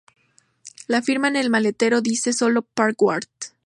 La firma en el maletero dice solo "Park Ward".